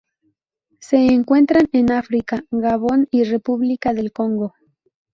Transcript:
Se encuentran en África: Gabón y República del Congo.